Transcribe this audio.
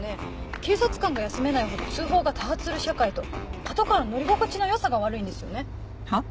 警察官が休めないほど通報が多発する社会とパトカーの乗り心地の良さが悪いんですよね。は？